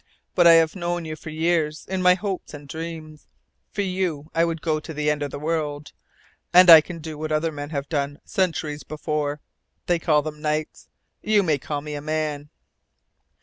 But I have known you for years in my hopes and dreams. For you I would go to the end of the world. And I can do what other men have done, centuries ago. They called them knights. You may call me a MAN!"